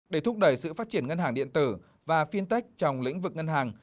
để thúc đẩy sự phát triển ngân hàng điện tử và fintech trong lĩnh vực ngân hàng